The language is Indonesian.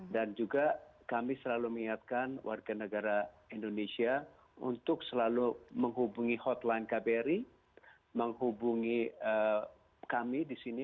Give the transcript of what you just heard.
dan juga kami selalu mengingatkan warga negara indonesia untuk selalu menghubungi hotline kbri menghubungi kami di sini